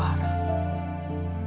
pengorbanan yang sangat besar